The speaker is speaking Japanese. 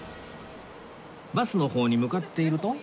バスの方に向かっていると